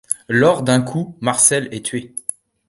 Lors d'un coup, Marcel est tué.